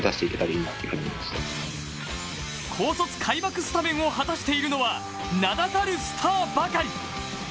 高卒開幕スタメンを果たしているのは、名だたるスターばかり。